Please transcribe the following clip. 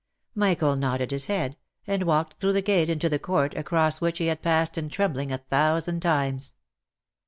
Michael nodded his head, and walked through the gate into the court, across which he had passed in trembling a thousand times.